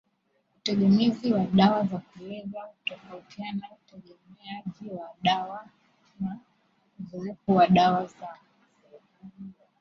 utegemezi wa dawa za kulevya hutofautianana utegemeaji wa dawana uzoevu wa dawa za